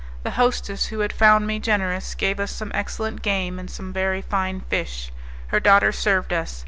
The hostess, who had found me generous, gave us some excellent game and some very fine fish; her daughter served us.